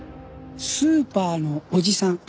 スーパーのおじさん。